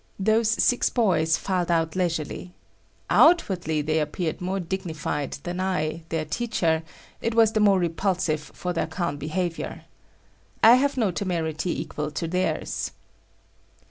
Those six boys filed out leisurely. Outwardly they appeared more dignified than I their teacher. It was the more repulsive for their calm behavior. I have no temerity equal to theirs.